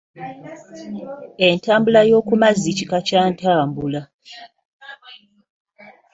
Entambula yo ku mazzi Kika Kya ntambula.